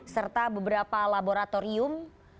serta beberapa laboratorium